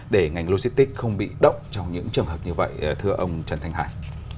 để ngành logistics không bị động trong những trường hợp như vậy thưa ông trần thanh hải